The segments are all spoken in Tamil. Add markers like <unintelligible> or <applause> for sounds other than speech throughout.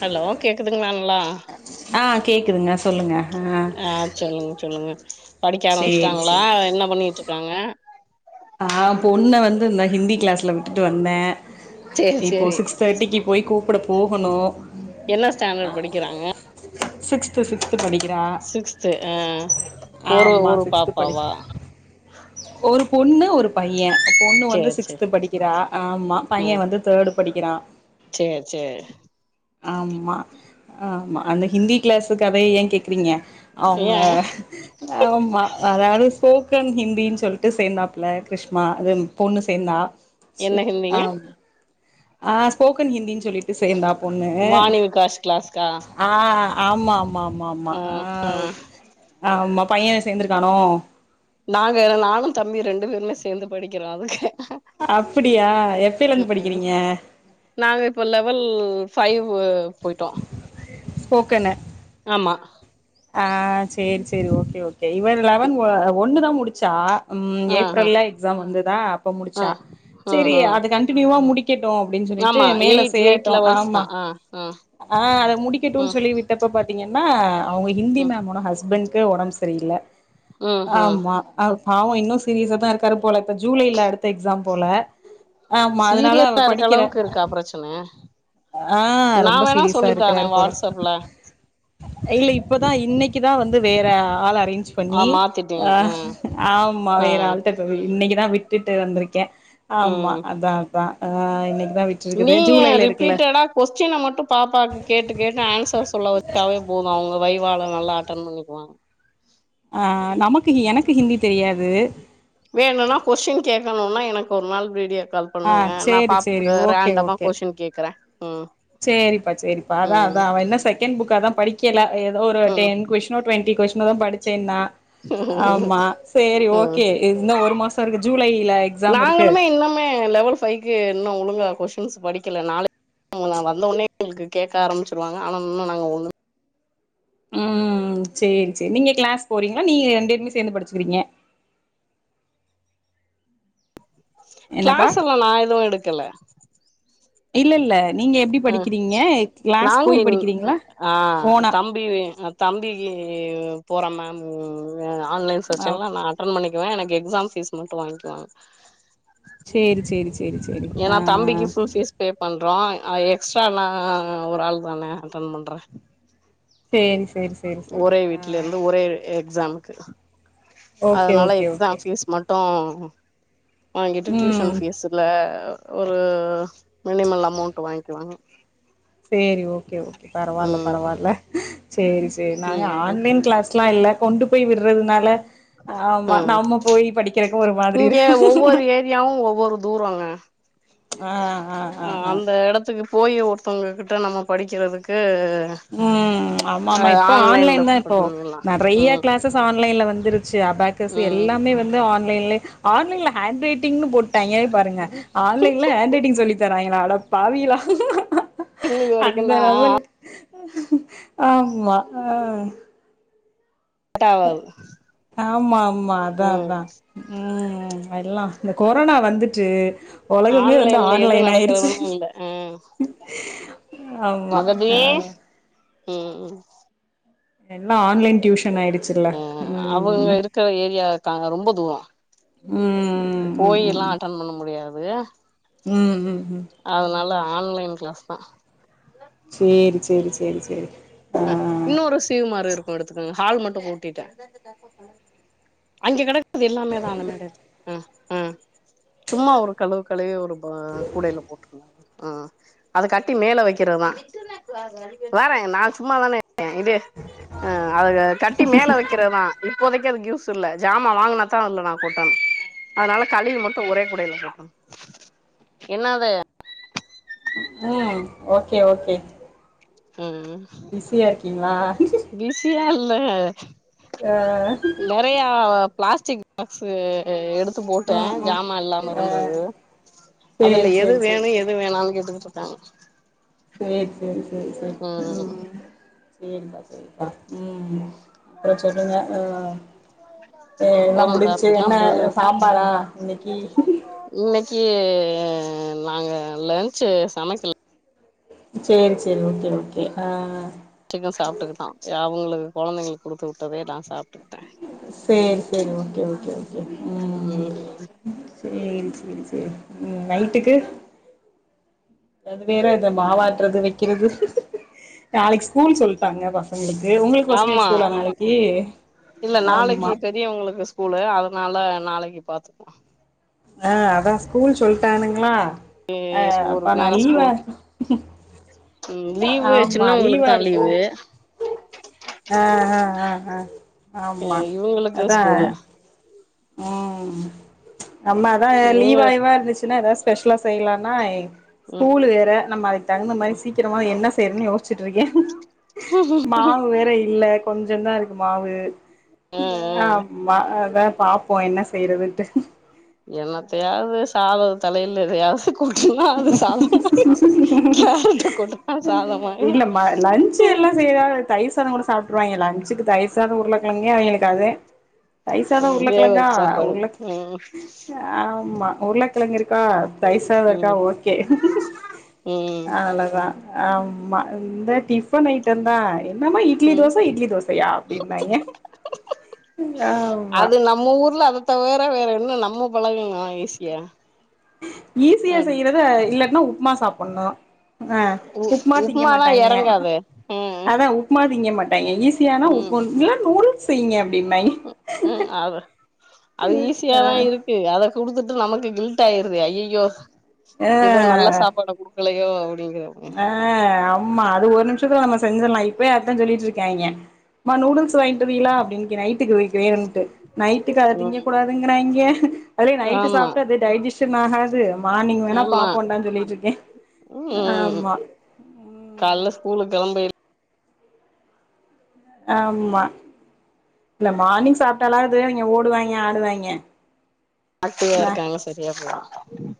ஹலோ கேக்குதுங்களா நல்லா ஆ கேக்குதுங்க ஆ சொல்லுங்க சொல்லுங்க படிக்க சேரி ஆரம்பிச்சுட்டாங்களா சேரி என்ன பண்ணிட்டுயிரு ப்பாங்க ஆ பொண்ண வந்து இந்த ஹிந்தி கிளாஸ் ல வுட்டுட்டு வந்தேன் சேரி இப்போ சேரி சிக்ஸ் தேர்ட்டிக்கு போய் கூப்புட போகணும் என்ன standard six to six sixth ஆ ஒரு ஆமா ஒரு சிக்ஸ்த்து படிக்கிறா பாப்பாவா ஒரு பொண்ணு ஒரு பையன் பொண்ணு வந்து சேரி சேரி சிக்ஸ்த் படிக்கிறா ஆமா பையன் வந்து தேர்டு படிக்கிறான் சேர் சேர் ஆமா ஆ ஆமா அந்த ஹிந்தி கிளாஸ் கதைய ஏன் கேக்குறீங்க அவுங்க ஏ ஆமா நல்ல வேல ஸ்போக்கன் ஹிந் பின் சொல் சேர்ந்தா பிள்ள கிருஷ்மா அது பொண்ணு சேர்ந்தா என்ன ஹிந்திங்க ஆம் ஆ ஸ்போக்கன் ஹிந்தின்னு சொல்லிட்டு செயல் வாணி விகாஷ் கிளாஸ்க்கா ஆமாம் ஆ ஆமா ஆமா ஆ ஆமா பைய சேந்திருக்கானோ நாங்க நானு தம்பியு ரெண்டு பேருமே சேந்து படிக்குறோ அங்க அப்புடியா எப்பிலயிருந்து படிக்குறீங்க பபைவ் போயிட்டோம் ஸ்போக்கனு ஆமா ஆ சேரி சேரி சேரி ஓகே ஓகே இவ லெவன் ஒன்னுதா முடிச்ச சா ஆ ஆ ஏப்ரல்ல எக்ஸாம் வந்ததா அப்போ முடுச்சா ஆ ம் சேரி ம் அது கண்டினியூவ முடிக்க ட்ட அப்டின்னு சொல்லிட்டு ஆமா மேல எயிட் எயிட் சேரட்டு லெவல்ஸ் தா ஆமா ஆ ஆ ஆ அத முடிக்கட்டுனு ம் சொல்லி விட்டப்ப பாத்த பாத்தீங்கன்னா அவுங்க ஹிந்தி ம் மேம் ஓட ஹஸ்பண்ட் க்கு ஒடம்பு சரியில்ல ம் ம் ஆமா அ பாவோ இன்னு சீரியஸா தா இருக்காரு போல ஜூலைல அடுத்த எக்ஸாம் போல ஆமா அதனால அவ சீரியஸா இருக்க படிக்குற அளவுக்கு இருக்கா பிரச்சன ஆ நா ரொம்ப வேணா சீரியஸா சொல்லி தாரே இருக்குராரு போல வாட்ஸ்அப்ல இல்ல இன்னைக்குதா வந்து வேற ஆள அரேஞ் ஆ பண்ணி மாத்திட்டீங்க ஆ ஆமா ஆ வேற ஆள்ட்ட போய் இன்னைக்கு அதா விட்டுட்டு வந்திருக்கே ஆமா உம் அதா அதா ஆ இன்னைக்குதா விட்டுருக்குது நீங்க ஜூலைல இருக்குல்ல ரிப்பீட்டடா கொஸ்டின மட்டு பாப்பாக்கு கேட்டு கேட்டு ஆன்சர் சொல்ல வச்சாவே போது அவுங்க வய வேல நல்லா அட்டன் பண்ணிக்குவாங்க ஆ நமக்கு எனக்கு ஹிந்தி தெரியாது இது வேனுன்னா கொஷ்டின் கேட்கணுனா எனக்கு ஒரு நாள் வீடியோ கால் ஆ பண்ணுங்க நா சேரி சேரி பாத்து ஓகே ரேண்டமா ஓகே கொஸ்டின் கேக்குறே ம் சேரிப்பா சேரிப்பா அதா ம் அதா அவ இன்னு செகண்ட் புக்கதா படிக்கல ஏதோ ஒரு ம் டென் கொஸ்டின்னோ டுவெண்ட்டி கொஸின் இப்பதா படிச்சேனா ம் ஆமா சேரி ம் ஓகே இந்த ஒரு மாசோ இருக்கு ஜூலையில எக்ஸாம் இருக்கு நாங்களுமே இன்னுமே ஸ் படிக்கல <inaudible> வந்தோனே எங்ளுக்கு கேக்க ஆரம்மிச்சிருவாங்க ஆனா இன்னு நாங்க ஒன்னு ம் சேரி சேரி நீங்க கிளாஸ் போறீங்ளா நீங்க ரெண்டு பேருமே சேந்து படிச்சுக்கிறீங்க என்னப்பா கிளாஸல்லா நா எதுவு எடுக்கல இல்ல இல்ல நீங்க எப்டி ஆ படிக்கிறீங்க கிளாஸ் நாங்க போய் இங் படிக்கிறீங்களா ஆ ஓனா தம்பி தம்பிக்கு போற நம்ம மூ ஆன்லைன் ஆ செக்ஷன்லா நா அட்டன் பண்ணிக்குவே எனக் எக்ஸாம் ஃபீஸ் மட்டு வாங்க்கிவாங்க சேரி சேரி சேரி சேரி ஏனா ஆ ஆ தம்பிக்கு ஃபுல் ஃபீஸ் பே பண்றோ அ எக்ஸ்ட்ரா நா ஒரு ஆள் தானே அட்டன் பண்றே சேரி சேரி சேரி சேரி ஆ க்ஸாம்க்கு ஓகே அதனால ஓகே ஓகே எக்ஸாம் ஃபீஸ் மட்டு ம் வாங்கிட்டு டியூஷன் ம் ஃபீஸுல்ல ஒரு மினிமல் அமௌண்ட் வாங்க்குவாங்க சேரி ஓகே ஓகே பரவால்ல ம் பரவால்ல சேரி சேரி நாங்க ம் ம் ஆன்லைன் கிளாஸ்லா இல்ல கொண்டு போய் விட்றதுனால ஆமா ம் நம்ம போய் படிக்கிறக்கு ஒரு மாதிரி இங்க இருக்கு ஒவ்வொரு ஏரியாவு ஒவ்வொரு தூரங்க ஆ ஆ ஆ அ ஆ அந்த எடத்துக்கு போயி ஒருத்தவ்ங்க கிட்ட நம்ம படிக்கிறதுக்கு ம் அ ஆமாமா இப்ப ஆன்லைன்ல ஆன்லைன் தா இப்போ பண்ணிர்லா நறைய ம் கிளாஸஸ் ஆன்லைன்ல வந்துருச்சு அபாகஸ் ம் எல்லாமே வந்து ஆன் லைன்லே ஆன்லைன்ல ஹேண்ட் ரைட்டிங்னு போட் டாய்ங்க பாருங்க ஆன்லைன் ல ஹேண்ட் ரைட்டிங் சொல்லித்தராங்க ளா அட பாவியளா <unintelligible> ஆமா ஆ <unintelligible> ஆமா ஆமா அதா ம் அதான் ம் ம் ப எல்லா இந்த கொரோனா வந்துட்டு உலகமே வந்து ஆன்லைன்ல எது ஆன்லைன் ஆயிருச்சு நடக்குறதுன்னு இல்ல அ ஆமா மகதி ஆ ம் ம் எல்லா ஆன்லைன் டியூஷன் ஆய்டு அ அவுங்க இருக்குற ஏரியாருகாங்க ரொம் ப துரோம் ம் ம் போயில்லா ம் அட்டன் பண்ண முடியாது ம் ம் ம் அதுனால ஆன்லைன் கிளாஸ் னா சேரி சேரி சேரி சேரி ஆ அ இன்னோரு சீவ்மாரு இருக்கும் எடுத்துக்கோங்க ஹால் மட் கூட்டிட்டே அஞ்சு கணக் அது எல்லாமே தான மேடது ஆ ஆ சும்மா ஒரு கழுவு கழுவி ஒரு அ குடேல போட்ருந்தா அது அது கட்டி மேல வைக்கிறதான் இன்டர்நெட் வாகு வாறே நா சும்மா தானே அ இது ஆ அத கட்டி மேல வைக்கிறதா இப்போதைக்கு அதுக்கு யூஸ் இல்ல ஜாமான் வாங்கினாதா அதுல நா கொட்டனு அதுனால கழுவிமட்டும் ஒரே குடேல போட்ருங்க என்னாது ம் ஓகே ஓகே ம் பிஸியாரிக்கீங்ளா இல்லங்க நொறையா பிளாஸ்டிக் பாக்ஸு எடுத் துப்போட்டே ம் ம் ஜாமா இல்லாம ஆ இருந்தது சேரி அதுல எது சேரி சேரி வேணு எது வேணான் கேட்டுக்கிட் தாங் சேர் சேரி சேர் சேரி ம் சேரிப்பா சேரி ம் அப்றோ சொல்லுங்க ஆ ஏ எல்லா போவோம்ப்பா முடிஞ்ச்சு என்ன அப்படித்தான் போவு சாம்பாரா இன்னைக்கி இன்னைக் க்கி நாங்க லஞ்சு சமைக்கல சேரி சேரி ஓகே ஓகே ஆ சிக்கன் சாப்பிட்டுக்கிட்டான் அவுங்களுக்கு குழந்தைங்களுக்கு கொடுத்து வுட்டதே நா சாப் சேரி சேரி ஓகே ஓகே ஓகே ம் சேரி சேரி சேரி ம் நைட்டுக்கு அது வேற இத மாவாட்டுறது வைக்கிறது நாளைக்கு ஸ்கூல் சொல்ட்டாங்க பசங்களுக் ஆமா இல்ல நாளைக்கு ஆமா பெரியவங்களுக்கு ஸ்கூலு அதனால நாளை பையன் பாத்துக்குவான் ஆ அதான் ஸ்கூல் சொல்லிட்டானுங்களா அ ஒரு அப்ப நான் நேரோ லீவா ஸ்கூல் இரு லீவு ஆமா சின்னவங்களுக்கு லீவா தா இருக்குன்னு லீவு ஆ ஆ ஆ ஆமா இவங்களுக்கு அதான் ஸ்கூலு ஆ ஆம்மாதான் இவங்க லீவ்வா யிவா இருந்துச்சுன்னா ஏதாவது ஸ்பெஷல்லா செய்யலானா ம் ஸ்கூல் வேற நம்ம அதுக்கு தகுந்த மாரி சீக்கிரமா என்ன தெர்லையா ச்சிட்டுருக்கேன் மாவு வேற இல்ல கொஞ்சம்தான் இருக்கு மாவு ம் ம் ஆமா அதான் ப்போம் என்ன செய்றதுன்னுட்டு சாவது தலையில எதையாவது கூட்டனா அது சாதமா கேரட்ட கூட்டம் இல்ல ம லஞ்சு எல்லாம் செய்யற தயிர் லஞ்சலா கூட சாப்டுருவாங்கே லஞ்சுக்கு தயிர் சாதம் உருளைக்கிழங்கு அவிகளுக்கு அதேன் தயிர் சாதம் ம் உருளைக்கழங்கா வேவருக்கு சாப்பாடு உருளை ம் ஆமா உருளைக்கிழங்கு இருக்கு ம் தயிர் சாதம் இருக்கா ம் ஓகே ம் அவ்ளோதான் ஆ மா இந்த டிஃபன் ஐட்டம் தான் என்னமா இட்லி ம் தோசை இட்லி தோசையா அப்படின்பாங்கே அது நம்ம ஊர்ல அத தவற வே என்ன நம்ம பழகனுமா ஈசியா ஈஸியா செய்யறத இல்லன்னா உப்புமா சாப்பிடணும் ஆ உ உப்புமா திங்க உப்மாலா மாட்டாங்கே எறங்காது ம் அதான் உப்புமா திங்க மாட் டாங்கே ரூசியான <unintelligible> இல்ல நூடுல்ஸ் ப்பீங்க உம் அத அது ஈஸியாதா இருக்கு அத குடுத்துட்டு நமக்கு கில் கமிட்டி ஆயிருது அய்யயோ ஏதோ நல்லா ஆ சாப்பாடு கொடுக்க எடுக்கலையோ ஆ ஆமா அது ஒரு நிமிஷோ நம்ம செஞ்சிருலா இப்பயு அதத்தா சொல்லிட்டு இருக்காங்க அம்மா நூடுல்ஸ் வாங்கிட்டு வந்தீங்ளா அப்டினு இன்னைக்கு நைட்டுக்கு வக்குரேன்ட்டு நைட்டுக்கு அத திங்க ம் கூடாதுன்றாங்க அப்டியே நைட் ஆமா சாப்டா டைஸ்சசன் ஆகாது மார்னிங் வேனா பாப்போன்டானு சொல்லி வெச்சு இருக்கே உம் ஆமா ம் காலேல ஊருக்கு கெளம்ப ஆ ஆமா இல்ல மார்னிங் சாப்பிட்டாலாவது அவிங்க ஓடுவாங்க ஆடுவாங்க அத்தையா இருக்காங்க சரியா போலாம் உ <unintelligible>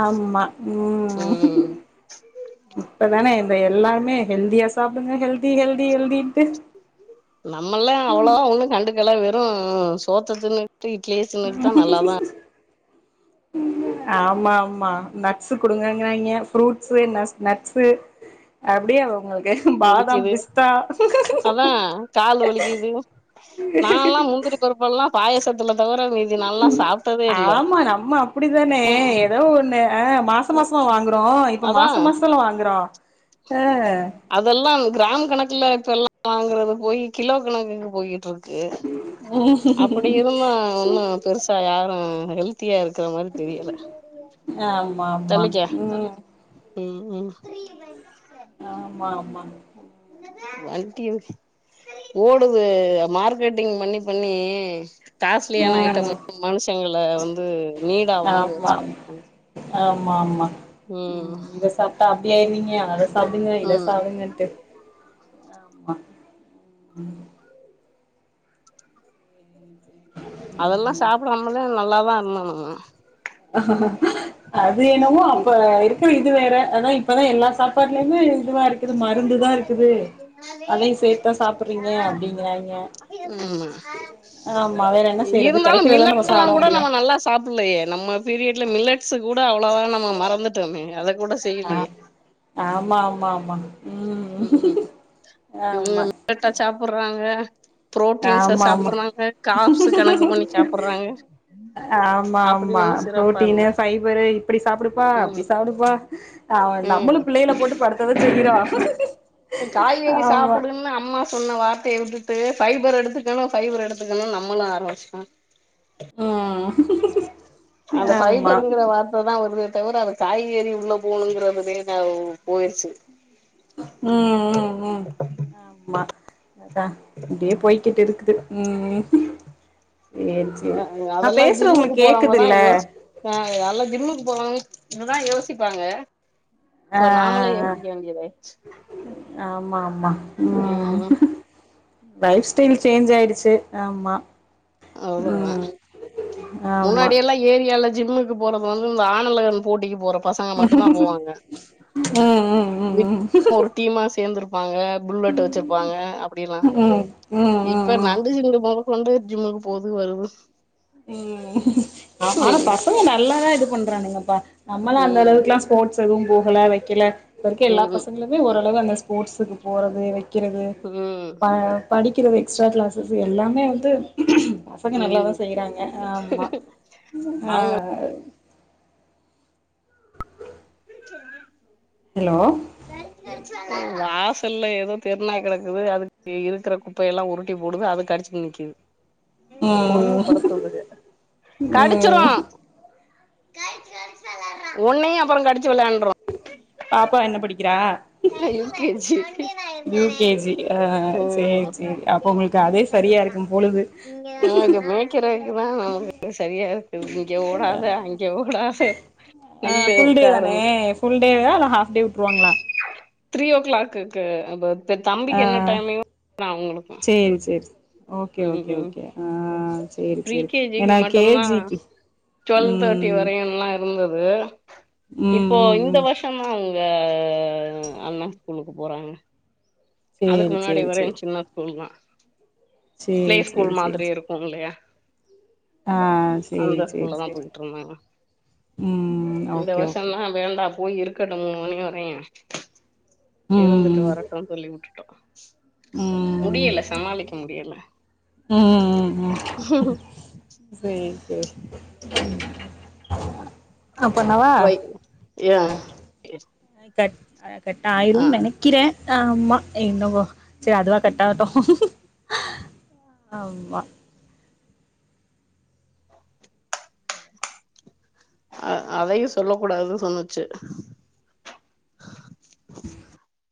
ஆமா உம் ம் இப்பதானே என்ன எல்லாருமே ஹெல்தியா சாப்டுங்க ஹெல்தி ஹெல்தி ஹெல்தின்ட்டு அப்பல்லா வெறு சோத்த தின்னு இட்லியே சின்னதுதா நல்லாதா ஆமா ஆமா நட்ஸ்சு குடுங்கன்றாங்ககா ஃபுரூட்ஸு நட்ஸு அப்டியே உங்களுக்கு பாதாம் வலிக்குது பிஸ்தா அதா கால் வலிக்குது நால்லா முந்திரி பருப்பெல்லா பாயசத்ல ஆமா நம்ம அப்டிதானே ம் ஏதோ ஒன்னு மாச மாசமான் வாங்குறோ இப்ப அதா மாச மாசம் எல்லா வாங்குறோ ஆ அதெல்லா கிராம் கணக்குல ல்லாம் வாங்குறது போய் கிலோ கணக்குக்கு போயிட்டு இருக்கு அப்படி இருந்து ஒன்னு பெருசா யாரு ஹெல்த்தியா இருக்கு இருக்கற மாதிரி தெரியல ஆமா ஆமா தள்ளிக்க ம் உம்-உம் ஆமா-ஆமா என்னது வண்டியோ ஓடுது மார்க்கெட்டிங் பண்ணி பண்ணி காஸ்லியான ம் ஐட்டம் மனுஷங்களை வந்து நீடா வாங்க ஆமா ஆமா வச்சுட்டு இருகாங்க ஆமா ம் அ சாப்டுங்க இத ம் சாப்டுங்கன்டு ஆமா ம் அதெல்லா ம் சாப்டாமதா நல்லாதா இருந்தோம் நம்ம ஆஹ ஆ அது என்னமோ அப்ப இருக்க இது வேற அதா இப்பதான் எல்லா சாப்பாடுலயுமே இதுவா இருக்குது மருந்துதான் இருக்குது அதையு சேத்துதா சாப்புடுறீங்க அப்டி கிறாயிங்க ஆமா ஆமா வேற என்ன செய்யறது இருந்தாலு கெடைக்கிறதான மில்லட் நம்ம எல்லா சாப்ட கூட நம்ம முடியும் நல்லா சாப்டலையே நம்ம பீரியட்ல மிலட் சு கூட அவ்ளவா நம்ம மறந்துட்டோமே அத கூட ஆ செய்யலையே ஆமா மா மா ம் இவுங்க ஆமா முகட்ட சாப்புடுறாங்க ஆமா ஆமா காப்ஸ் கணக்கு பண்ணி சாப்டுறாங்க ஆமா அப்டி ஆமா ஒண்ணு சிறப்பா புரோட்டினு இல்ல பைய்பரு இப்டி சாப்புடுப்பா ம் அப்டி சாப்புடுப்பா ம் காய்கறி ஆமா சாப்புடுன்னு அம்மா சொன்ன வார்த்தய உட்டு பைபர் எடுத்துக்கணு பைபர் எடுத்துக்கணு நம்மளும் ஆரம்பிச்சோ ம் அந்த ஆமா பைபருங்குற வார்த்ததான் வருது தவுர அது காய்கறி உள்ள போணுங்கறதுலே நா போயிடுச்சு ம் ம் ம் ஆமா அதான் இப்டி போய்கிட்டு இருக்குது ம் ம் சேரி சேரி நா அதெல்லா பேசுறது ஒங்களுக் கேக்குதுல்ல கால்ல ஜிம்முக்கு போவாங்க அங்கதான் யோசிப்பாங்க ஆ இப்ப நாமளே யோசிக்க வேண்டியதாயிச்சு ஆமாம் மா ம் லைஃப் ஸ்டைல் சேஞ்ச் ஆய்டுச்சு ஆமா அவ்ளோதா ம் ஆமா முன்னாடி எல்லா ஏரியால ஜிம்முக்கு போறது வந்து இந்த ஆணழகன் போட்டிக்கு போற பசங்க மட்டுந்தா போவாங்க ம் ம் ம் ம் வாங்க புல்லட் வச்சிருப்பாங்க அப்டிலா ம் ம் ம் இப்ப ம் நண்டு சிந்து போ கொண்டு ஜிம்முக்கு போது வருது ம் ஆனா ம் பசங்க நல்லாதா இது பண் புரானுங்க ப நம்மள அந்த ம் அளவுக்குலா ஸ்போர்ட்ஸ் கும் போகலா வைக்கல இரைக்கு எல்லா ம் பசங்களுமே ஓரளவு அங்க ஸ்போர்ட்ஸுக்கு போரது வெ கிறகு ம் ப படிக்கிற எக்ஸ்ட்ரா கிளாஸஸ் எல்லாமே வந்து பசங்க நல்லா தா ம் ங்க ஆமா ஆ அவங்க சொல்ல ஹலோ வாசல்லல்ல ஏதோ தெருநாய் கிடக்குது அதுக்கு இருக்கிற குப்பைய எல்லா உருட்டி போடுது அது கடிச்சுட்டு நக்குது ம் ம் ஒன்னையு பாப்பா என்ன படிக்கிறா U K G U K G ஆ உ சேரி சேரி அப்ப உங்களுக்கு அதே சரியா இருக்கும் பொழுது மேய்கறதுக்குதா நமக்கு சரியா இருக்கு இங்க ஓடாத அங்க ஓடாத நில்லு ஆஹ்ஃபுல் டே தானே உக்காருன்னு ஃபுல் டேல்ல ஹாஃப் டே விட்டுருவாங்களா த்ரீ ஓ கிளாக்குக்கு அவ இப்ப ஆ தம்பிக்கு என்ன டைமையுங் தா அவங்களுக்கு சேரி சேரி ஓகே ம் ஓகே ம் ஓகே ஆ சரி ப்ரீ சரி கே ஜி க்கு ஏன்னா மட்டுந்தா கேஜிக்கு ம் இருந்துது ம் இப்போ ம் இந்த ம் வருஷமா வே அண்ண ஸ்கூலுக்கு போறாங்க அதுக்கு சேரி முன்னாடி சேரி வர சேரி என்சின்னா ஸ்கூல் தா ப்ளே சேரி ஸ்கூல் சேரி சேரி மாதிரி சேரி இருக்கும் இல்லையா ஆ செரி அந்த செரி ஸ்கூல்ல தா செரி போயிட்டு இருந்தாங்க ம் இந்த ஓகே ஓகே வருஷந்தா வேண்டா போய் இருக்கட்டும் மூணு மணி வரையு இருந்துட்டு ம் வரட்டுனு சொல்லி உட்ரு டகாஸ் ம் முடியலை சமாளிக்க முடியல ம் ம் சேரி சேரி ஆ பண்ணவா வை ஏ ஒகே கட் அட் கட்டாயிரும் நனைக்கிற ஆமா என்னமோ செரி அதுவா கட்டாவட்டும் அம்மா அ அ அதையு சொல்ல கூடாதுன் சொன்னுச்சு